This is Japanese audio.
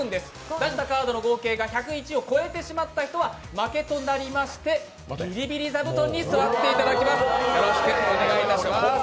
出したカードの合計が１０１を超えてしまった人は負けとなってしまいましてビリビリ座布団に座っていただきます。